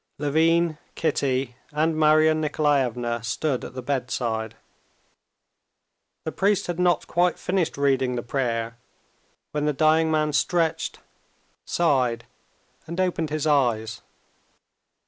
Levin, Kitty, and Marya Nikolaevna stood at the bedside. The priest had not quite finished reading the prayer when the dying man stretched, sighed, and opened his eyes.